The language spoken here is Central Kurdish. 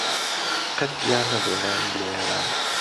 قەت جیا نەبوو نانی لە یاران